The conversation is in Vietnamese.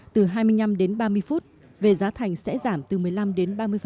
từ hai mươi năm đến ba mươi phút về giá thành sẽ giảm từ một mươi năm đến ba mươi